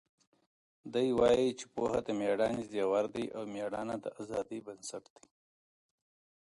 دی وایي چې پوهه د مېړانې زیور دی او مېړانه د ازادۍ بنسټ دی.